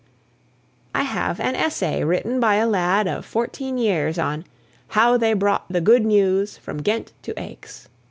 I have an old essay written by a lad of fourteen years on "How They Brought the Good News from Ghent to Aix."